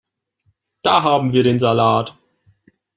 Da haben wir den Salat.